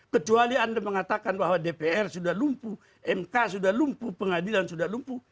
kecuali anda mengatakan bahwa dpr sudah lumpuh mk sudah lumpuh pengadilan sudah lumpuh